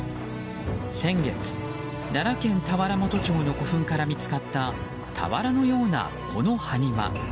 先月、奈良県田原本町の古墳から見つかった俵のようなこの埴輪。